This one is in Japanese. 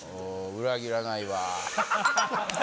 裏切らないわ。